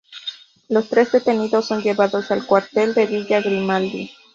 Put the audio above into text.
Los tres detenidos son llevados al cuartel de Villa Grimaldi.